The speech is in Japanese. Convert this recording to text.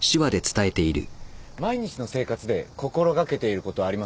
毎日の生活で心掛けていることはありますか？